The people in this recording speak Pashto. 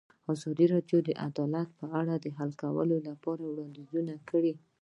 ازادي راډیو د عدالت په اړه د حل کولو لپاره وړاندیزونه کړي.